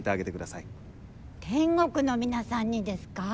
天国の皆さんにですか？